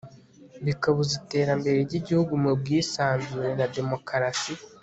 bikabuza iterambere ry'igihugu mu bwisanzure na demokarasi